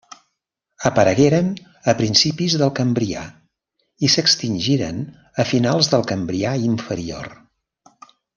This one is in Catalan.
Aparegueren a principis del Cambrià i s'extingiren a finals del Cambrià inferior.